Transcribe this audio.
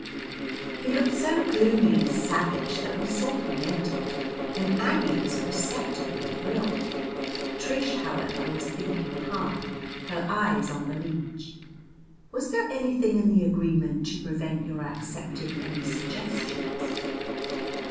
He looked so gloomy and savage that we saw he meant it, and Aggie was perceptibly thrilled. Trish, however, was thinking hard, her eyes on the leech. "Was there anything in the agreement to prevent your accepting any suggestions?"